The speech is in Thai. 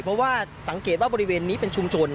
เพราะว่าสังเกตว่าบริเวณนี้เป็นชุมชน